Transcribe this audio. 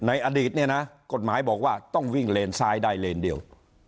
อดีตเนี่ยนะกฎหมายบอกว่าต้องวิ่งเลนซ้ายได้เลนเดียว